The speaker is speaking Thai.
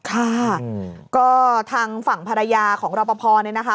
ค่ะก็ทางฝั่งภรรยาของรอปภเนี่ยนะคะ